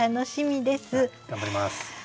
頑張ります！